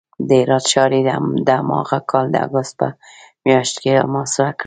د هرات ښار یې د هماغه کال د اګست په میاشت کې محاصره کړ.